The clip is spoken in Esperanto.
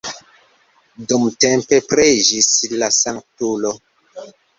Dumtempe preĝis la sanktulo.